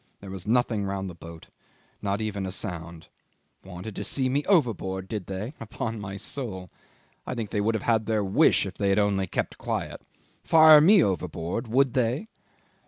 There was nothing round the boat, not even a sound. Wanted to see me overboard, did they? Upon my soul! I think they would have had their wish if they had only kept quiet. Fire me overboard! Would they?